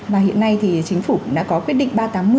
và hiện nay thì chính phủ đã có quyết định ba trăm tám mươi